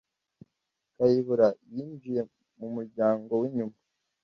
Kayihura yinjiye mu muryango w'inyuma.